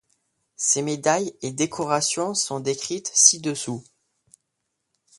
Ces médailles et décorations sont décrites ci-dessous.